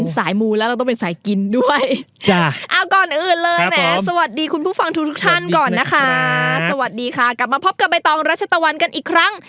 สวัสดีคุณผู้ฟังทุกท่านก่อนนะคะสวัสดีค่ะกลับมาพบกับไปตองรัชตะวันกันอีกครั้ง